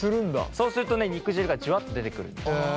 そうすると肉汁がジュワッと出てくるんです。